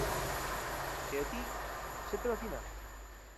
E a ti, xa te vacinaron?